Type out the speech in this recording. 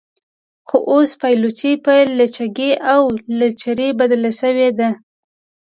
خو اوس پایلوچي په لچکۍ او لچرۍ بدله شوې ده.